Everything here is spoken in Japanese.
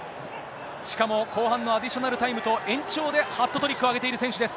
しかも、後半のアディショナルタイムと延長でハットトリックを挙げている選手です。